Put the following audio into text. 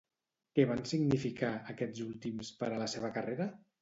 Què van significar, aquests últims, per a la seva carrera?